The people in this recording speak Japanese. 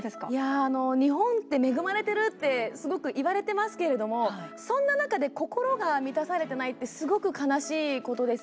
日本って恵まれてるってすごく言われてますけれどもそんな中で心が満たされてないってすごく悲しいことですよね。